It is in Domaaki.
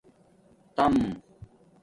تݳم